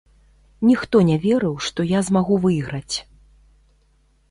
Ніхто не верыў, што я змагу выйграць.